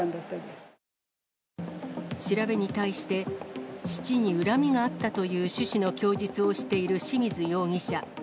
調べに対して、父に恨みがあったという趣旨の供述をしている志水容疑者。